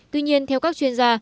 tuy nhiên theo các chuyên gia